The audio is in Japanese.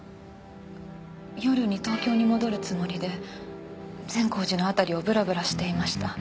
夜に東京に戻るつもりで善光寺の辺りをぶらぶらしていました。